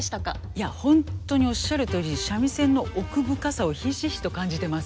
いやホントにおっしゃるとおり三味線の奥深さをひしひしと感じてます。